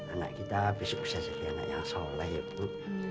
anak kita habis usah jadi anak yang sholay ya bu